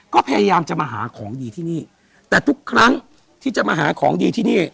ก็พยายามจะมาหาของดีที่นี่แต่ทุกครั้งที่จะมาหาของดีที่นี่